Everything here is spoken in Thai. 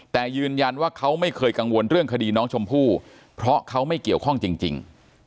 แต่ยืนยันว่าเขาไม่เคยกังวลเรื่องคดีน้องชมพู่เพราะเขาไม่เกี่ยวข้องจริง